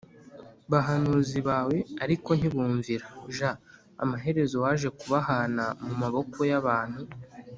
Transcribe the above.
bahanuzi bawe ariko ntibumvira j Amaherezo waje kubahana mu maboko y abantu